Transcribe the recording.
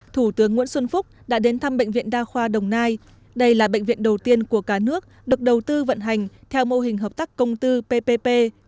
thủ tướng nguyễn xuân phúc đã đến thăm bệnh viện đa khoa đồng nai đây là bệnh viện đầu tiên của cả nước được đầu tư vận hành theo mô hình hợp tác công tư ppp